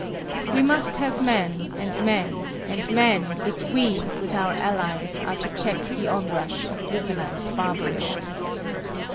We must have men and men and men, if we, with our allies, are to check the onrush of organized barbarism.